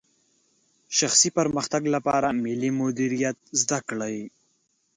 شخصي پرمختګ لپاره مالي مدیریت زده کړئ.